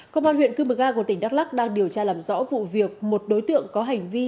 công an huyện cư mờ ga của tỉnh đắk lắc đang điều tra làm rõ vụ việc một đối tượng có hành vi